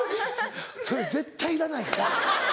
それ絶対いらないから。